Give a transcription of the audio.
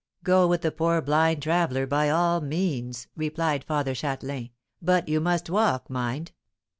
"Go with the poor blind traveller by all means," replied Father Châtelain; "but you must walk, mind.